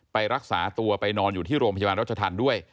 ไปรักษาตัวไปนอนอยู่ที่โรงพยาบาลรัชธรรมด้วย